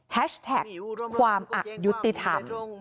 แฮชแท็กความอักยุติธรรม